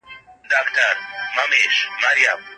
هغه لېواله کيږي چي قرباني ورکړي.